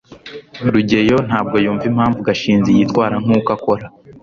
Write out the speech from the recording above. rugeyo ntabwo yumva impamvu gashinzi yitwara nkuko akora